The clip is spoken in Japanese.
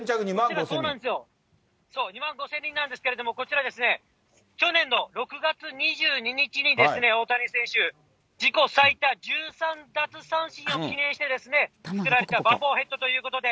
そう、２万５０００人なんですけど、こちらですね、去年の６月２２日にですね、大谷選手、自己最多１３奪三振を記念して作られたボブルヘッドということで。